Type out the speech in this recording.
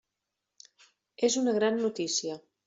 És una gran notícia.